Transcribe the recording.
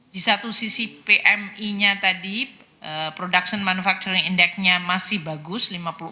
di satu sisi pmi nya tadi production manufacturing index nya masih bagus